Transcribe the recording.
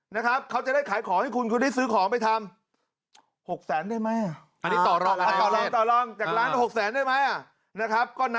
นะครับเขาจะได้ขายของให้คุณคุณจะได้ซื้อของไปทำ